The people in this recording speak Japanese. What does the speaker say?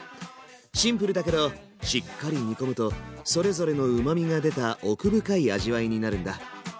シンプルだけどしっかり煮込むとそれぞれのうまみが出た奥深い味わいになるんだ。